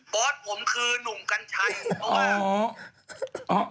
อสผมคือนุ่มกัญชัยเพราะว่า